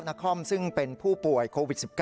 นครซึ่งเป็นผู้ป่วยโควิด๑๙